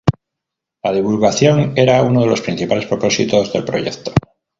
La divulgación era uno de los principales propósitos del proyecto.